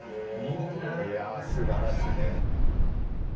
いや、素晴らしいね。